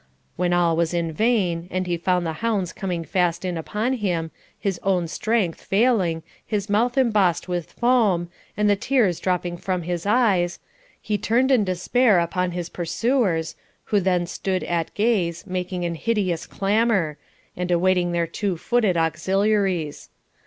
When all was in vain, and he found the hounds coming fast in upon him, his own strength failing, his mouth embossed with foam, and the tears dropping from his eyes, he turned in despair upon his pursuers, who then stood at gaze, making an hideous clamour, and awaiting their two footed auxiliaries.